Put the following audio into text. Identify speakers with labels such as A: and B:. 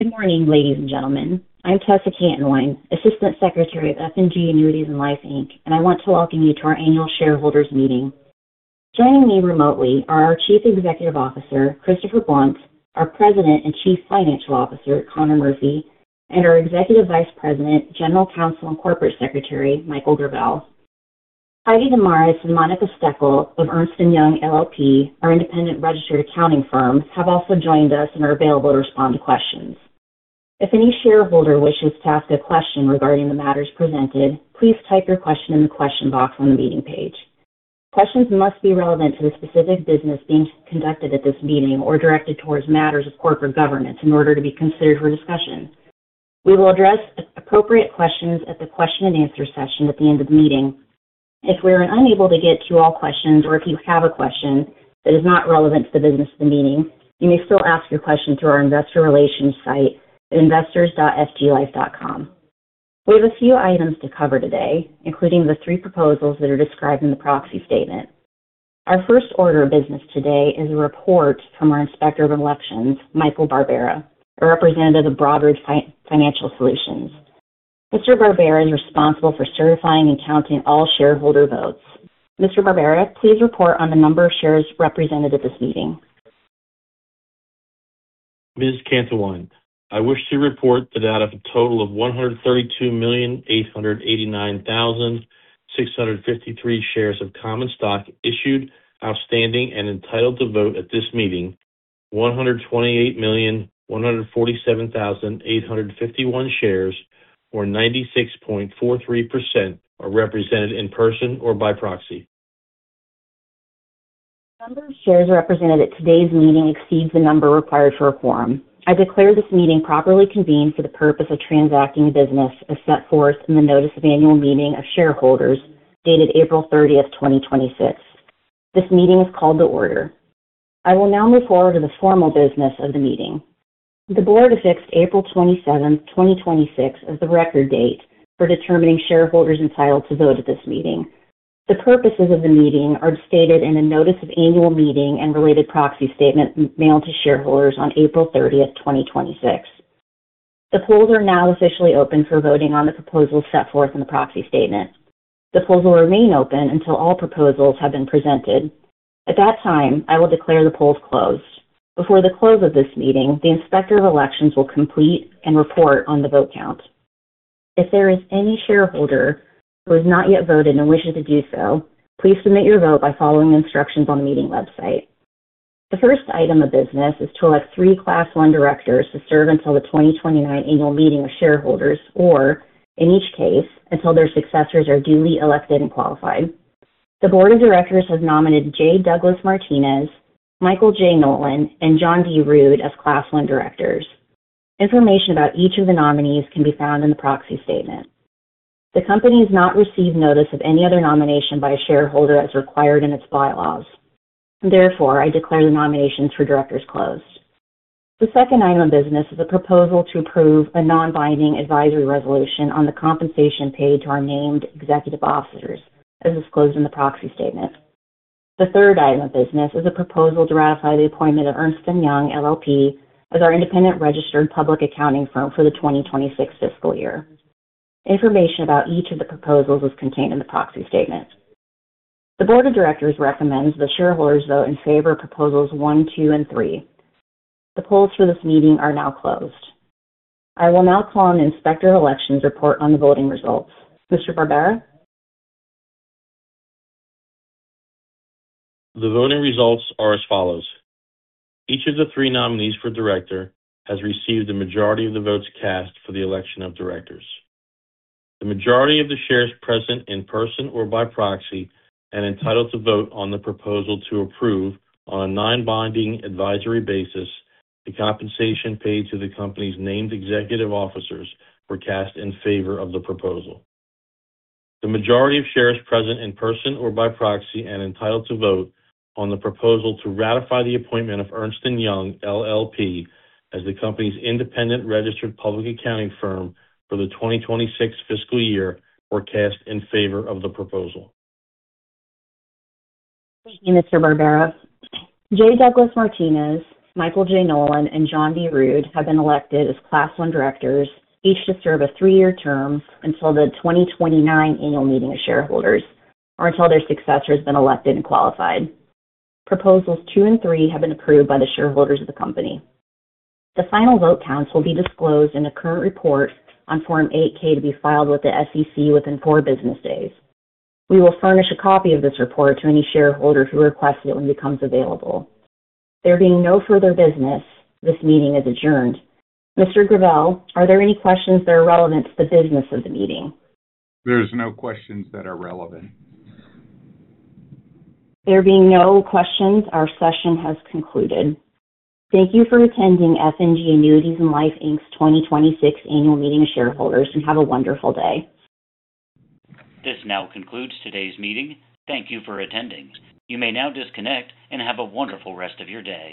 A: Good morning, ladies and gentlemen. I'm Tessa Cantonwine, Assistant Secretary of F&G Annuities & Life, Inc., and I want to welcome you to our annual shareholders' meeting. Joining me remotely are our Chief Executive Officer, Christopher Blunt, our President and Chief Financial Officer, Conor Murphy, and our Executive Vice President, General Counsel, and Corporate Secretary, Michael Gravelle. Heidi Demeris and Monica Steckel of Ernst & Young LLP, our independent registered accounting firm, have also joined us and are available to respond to questions. If any shareholder wishes to ask a question regarding the matters presented, please type your question in the question box on the meeting page. Questions must be relevant to the specific business being conducted at this meeting or directed towards matters of corporate governance in order to be considered for discussion. We will address appropriate questions at the question and answer session at the end of the meeting. If we are unable to get to all questions or if you have a question that is not relevant to the business of the meeting, you may still ask your question through our investor relations site at investors.fglife.com. We have a few items to cover today, including the three proposals that are described in the proxy statement. Our first order of business today is a report from our Inspector of Elections, Michael Barbera, a representative of Broadridge Financial Solutions. Mr. Barbera is responsible for certifying and counting all shareholder votes. Mr. Barbera, please report on the number of shares represented at this meeting.
B: Ms. Cantonwine, I wish to report that out of a total of 132,889,653 shares of common stock issued, outstanding, and entitled to vote at this meeting, 128,147,851 shares, or 96.43%, are represented in person or by proxy.
A: The number of shares represented at today's meeting exceeds the number required for a quorum. I declare this meeting properly convened for the purpose of transacting business as set forth in the Notice of Annual Meeting of Shareholders dated April 30th, 2026. This meeting is called to order. I will now move forward to the formal business of the meeting. The board affixed April 27th, 2026 as the record date for determining shareholders entitled to vote at this meeting. The purposes of the meeting are stated in a notice of annual meeting and related proxy statement mailed to shareholders on April 30th, 2026. The polls are now officially open for voting on the proposals set forth in the proxy statement. The polls will remain open until all proposals have been presented. At that time, I will declare the polls closed. Before the close of this meeting, the Inspector of Elections will complete and report on the vote count. If there is any shareholder who has not yet voted and wishes to do so, please submit your vote by following the instructions on the meeting website. The first item of business is to elect three Class I directors to serve until the 2029 Annual Meeting of Shareholders, or in each case, until their successors are duly elected and qualified. The board of directors has nominated Jay Douglas Martinez, Michael J. Nolan, and John D. Rood as Class I directors. Information about each of the nominees can be found in the proxy statement. The company has not received notice of any other nomination by a shareholder as required in its bylaws. I declare the nominations for directors closed. The second item of business is a proposal to approve a non-binding advisory resolution on the compensation paid to our named executive officers, as disclosed in the proxy statement. The third item of business is a proposal to ratify the appointment of Ernst & Young LLP as our independent registered public accounting firm for the 2026 fiscal year. Information about each of the proposals is contained in the proxy statement. The board of directors recommends that shareholders vote in favor of proposals one, two, and three. The polls for this meeting are now closed. I will now call on the Inspector of Elections report on the voting results. Mr. Barbera?
B: The voting results are as follows. Each of the three nominees for director has received a majority of the votes cast for the election of directors. The majority of the shares present in person or by proxy and entitled to vote on the proposal to approve on a non-binding advisory basis the compensation paid to the company's named executive officers were cast in favor of the proposal. The majority of shares present in person or by proxy and entitled to vote on the proposal to ratify the appointment of Ernst & Young LLP as the company's independent registered public accounting firm for the 2026 fiscal year were cast in favor of the proposal.
A: Thank you, Mr. Barbera. Jay Douglas Martinez, Michael J. Nolan, and John D. Rood have been elected as Class I directors, each to serve a three-year term until the 2029 Annual Meeting of Shareholders or until their successor has been elected and qualified. Proposals two and three have been approved by the shareholders of the company. The final vote counts will be disclosed in a current report on Form 8-K to be filed with the SEC within four business days. We will furnish a copy of this report to any shareholder who requests it when it becomes available. There being no further business, this meeting is adjourned. Mr. Gravelle, are there any questions that are relevant to the business of the meeting?
C: There's no questions that are relevant.
A: There being no questions, our session has concluded. Thank you for attending F&G Annuities & Life, Inc.'s 2026 Annual Meeting of Shareholders, and have a wonderful day.
D: This now concludes today's meeting. Thank you for attending. You may now disconnect and have a wonderful rest of your day.